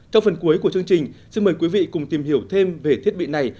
trong phần cuối của chương trình xin mời quý vị cùng tìm hiểu thêm về thiết bị này